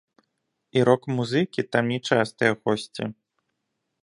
І рок-музыкі там не частыя госці.